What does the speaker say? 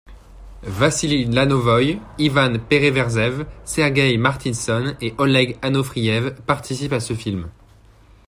Vassili Lanovoï, Ivan Pereverzev, Sergueï Martinson et Oleg Anofriev participent à ce film.